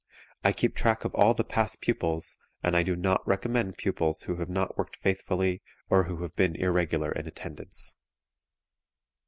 I keep track of all the past pupils, and I do not recommend pupils who have not worked faithfully or who have been irregular in attendance.